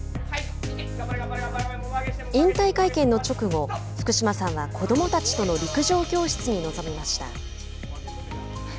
引退会見の直後、福島さんは子どもたちとの陸上教室に臨みました。